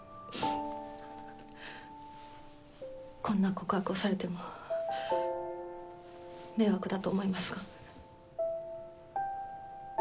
こんな告白をされても迷惑だと思いますが。